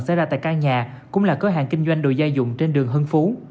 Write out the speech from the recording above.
xảy ra tại căn nhà cũng là cửa hàng kinh doanh đồ gia dụng trên đường hưng phú